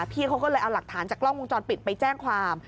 พี่เขาก็เลยเอาหลักฐานจากกล้องวงจรปิดไปแจ้งความ